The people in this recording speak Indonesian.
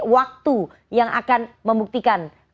waktu yang akan membuktikan